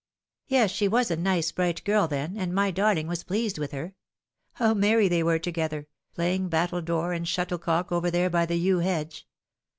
" Yes, she was a nice, bright girl then, and my darling was pleased with her. How merry they were together, playing battledore and shuttlecock over there by the yew hedge